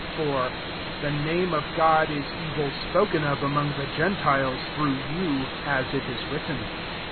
24 (For " the name of God is evil spoken of among the gentiles, through you ;" as it is written.)